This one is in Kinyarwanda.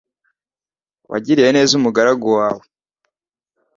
Wagiriye neza umugaragu wawe